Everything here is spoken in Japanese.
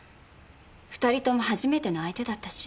２人とも初めての相手だったし。